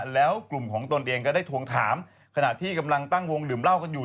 แล้วกลุ่มของตนเองก็ได้ทวงถามขณะที่กำลังตั้งวงดื่มเหล้ากันอยู่